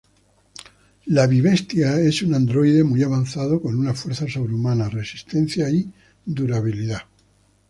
La Bi-Bestia es un androide muy avanzado con una fuerza sobrehumana, resistencia y durabilidad.